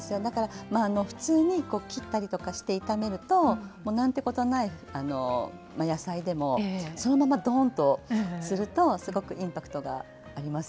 まああの普通に切ったりとかして炒めると何てことない野菜でもそのままドーンとするとすごくインパクトがありますよね。